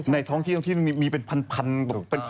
ในท้องเที่ยวที่มีเป็นพัน